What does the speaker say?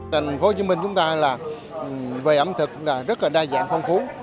thành phố hồ chí minh chúng ta là về ẩm thực rất là đa dạng phong phú